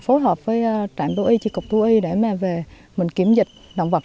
phối hợp với trạm tu y trị cục tu y để mẹ về mình kiểm dịch động vật